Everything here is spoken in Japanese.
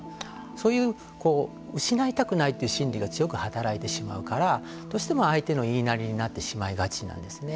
そういう失いないたくないという心理が強く働いてしまうからどうしても相手の言いなりになってしまいがちなんですね。